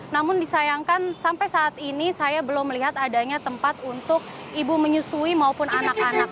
namun disayangkan sampai saat ini saya belum melihat adanya tempat untuk ibu menyusui maupun anak anak